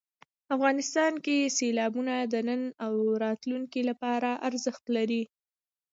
افغانستان کې سیلابونه د نن او راتلونکي لپاره ارزښت لري.